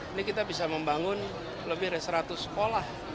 ini kita bisa membangun lebih dari seratus sekolah